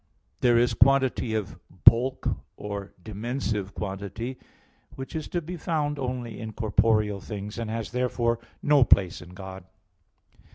There is quantity of "bulk" or dimensive quantity, which is to be found only in corporeal things, and has, therefore, no place in God.